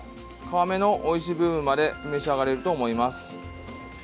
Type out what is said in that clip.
皮目のおいしい部分まで召し上がれると思います。